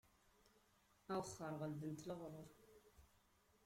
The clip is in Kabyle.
Awexxer ɣelben-t leɣruṛ.